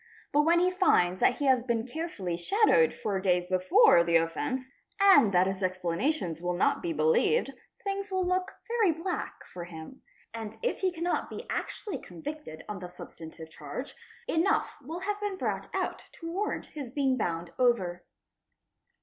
But when he finds that he has been carefully shadowed for days before the offence and that his explanations will not be believed, things will look very black for him, and if he cannot be actually convicted on the substantive charge, enough will have been brought out to warrant his being bound over.